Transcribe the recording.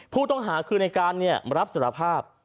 ผู้ต้องหาคือในการรับสารภาพ